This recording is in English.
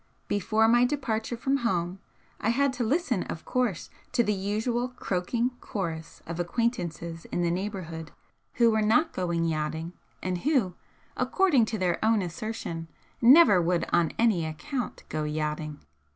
Before my departure from home I had to listen, of course, to the usual croaking chorus of acquaintances in the neighbourhood who were not going yachting and who, according to their own assertion, never would on any account go yachting.